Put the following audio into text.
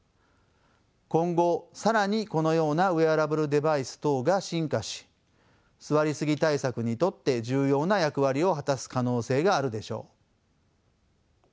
今後更にこのようなウェアラブルデバイス等が進化し座りすぎ対策にとって重要な役割を果たす可能性があるでしょう。